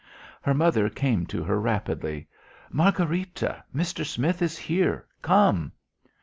Her mother came to her rapidly. "Margharita! Mister Smith is here! Come!"